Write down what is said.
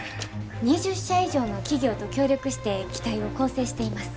２０社以上の企業と協力して機体を構成しています。